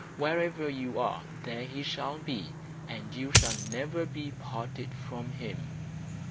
Wherever you are there he shall be, and you shall never be parted from him."